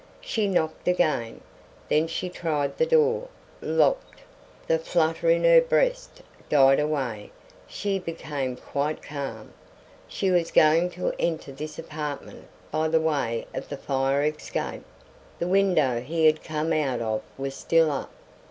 She knocked again; then she tried the door. Locked. The flutter in her breast died away; she became quite calm. She was going to enter this apartment by the way of the fire escape. The window he had come out of was still up.